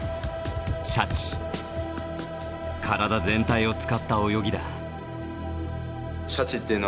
体全体を使った泳ぎだ。